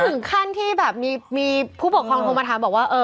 ถึงขั้นที่แบบมีผู้ปกครองโทรมาถามบอกว่า